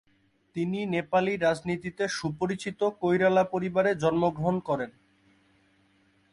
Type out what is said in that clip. তিনি নেপালি রাজনীতিতে সুপরিচিত কৈরালা পরিবারে জন্মগ্রহণ করেন।